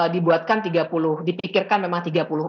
dibuatkan tiga puluh dipikirkan memang tiga puluh empat